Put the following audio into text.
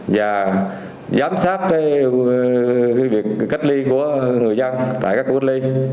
và giám sát việc cách ly của người dân tại các khu cách ly